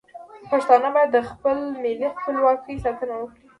پښتانه باید د خپل ملي خپلواکۍ ساتنه وکړي.